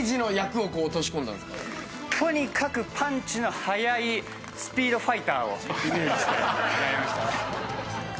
とにかくパンチの速いスピードファイターをイメージして。